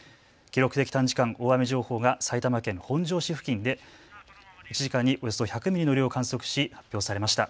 記録的短時間大雨情報が埼玉県本庄市付近で１時間におよそ１００ミリの量を観測し発表されました。